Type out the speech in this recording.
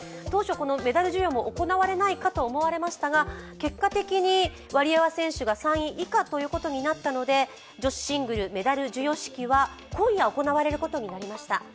当初、メダル授与も行われないかと思いましたが、結果的にワリエワ選手が３位以下になったので、女子シングルメダル授与式は今夜行われることになりました。